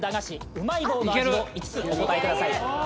うまい棒の味を５つお答えください